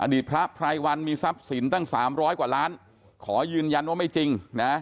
อดีตพระพวมีทรัพย์สินตั้ง๓๐๐กว่าล้านขอยืนยันว่าไม่จริง